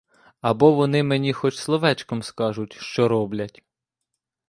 Або вони мені хоч словечком скажуть, що роблять?